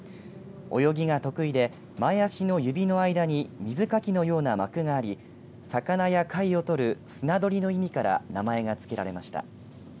泳ぎが得意で前足の指の間に水かきのような膜があり魚や貝を取る漁りの意味から名前がつけられました。